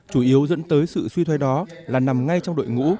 chủ yếu dẫn tới sự suy thoái đó là nằm ngay trong đội ngũ